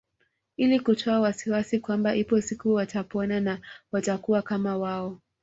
Ili kutoa wasiwasi kwamba ipo siku watapona na watakuwa kama wao